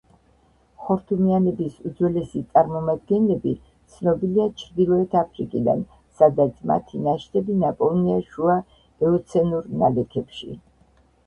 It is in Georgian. ხორთუმიანების უძველესი წარმომადგენლები ცნობილია ჩრდილოეთ აფრიკიდან, სადაც მათი ნაშთები ნაპოვნია შუა ეოცენურ ნალექებში.